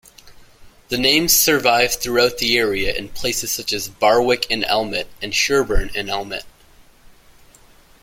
The name survives throughout the area in place names such as Barwick-in-Elmet and Sherburn-in-Elmet.